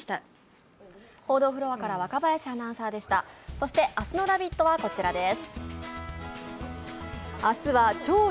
そして、明日の「ラヴィット！」はこちらです。